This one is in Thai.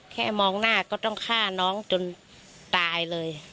แค่มองหน้าก็ต้องฆ่าน้องจนตายเลย